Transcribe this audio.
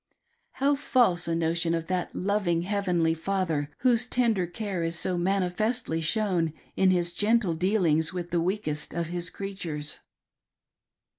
How false a notion of that loving heavenly Father whose tender care is so manifestly shown in his geritle dealings with the weakest of His creatures